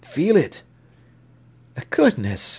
Feel it." "Goodness!"